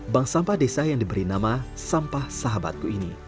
bank sampah desa yang diberi nama sampah sahabatku ini